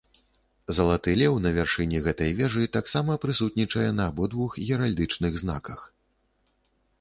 Залаты леў на вяршыні гэтай вежы таксама прысутнічае на абодвух геральдычных знаках.